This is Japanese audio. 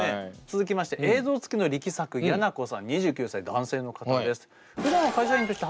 続きまして映像付きの力作やなこさん２９歳男性の方です。